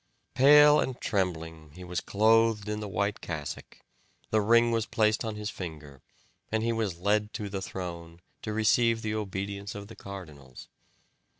Pale and trembling, he was clothed in the white cassock, the ring was placed on his finger, and he was led to the throne to receive the obedience of the cardinals.